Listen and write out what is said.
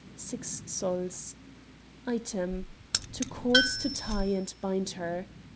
6 sols Item, To cords to tie and bind her